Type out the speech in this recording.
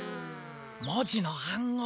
・文字の暗号。